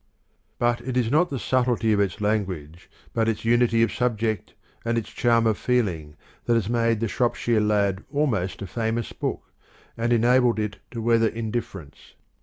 But it is not the subtlety of its language but its unity of subject, and its charm of feeling that has made the " Shropshire Lad " almost a famous book, and enabled it to weather indifference.